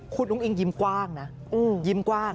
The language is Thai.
คุณอุ้งอิงยิ้มกว้างนะยิ้มกว้าง